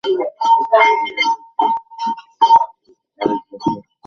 আরেকবার সেক্স করবে?